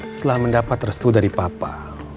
setelah mendapat restu dari papa